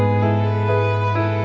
aku mau ke sana